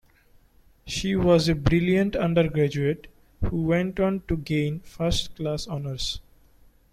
She was a brilliant undergraduate who went on to gain first class honours